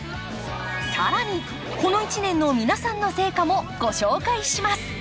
更にこの１年の皆さんの成果もご紹介します